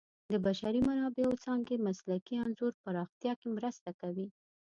د بشري منابعو څانګې مسلکي انځور پراختیا کې مرسته کوي.